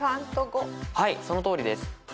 そのとおりです。